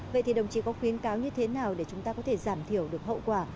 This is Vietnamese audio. vậy thì đồng chí có khuyến cáo như thế nào để chúng ta có thể giảm thiểu được hậu quả